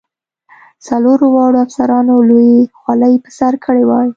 څلورو واړو افسرانو لویې خولۍ په سر کړې وې.